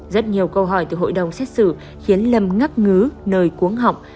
rất nhiều câu hỏi từ hội đồng xét xử khiến lâm ngắc ngứ nơi cuốn họng